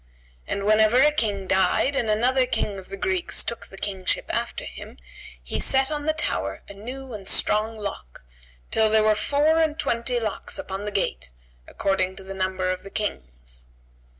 And whenever a King died and another King of the Greeks took the Kingship after him, he set on the tower a new and strong lock, till there were four and twenty locks upon the gate, according to the number of the Kings.